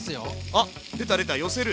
あっ出た出た寄せる。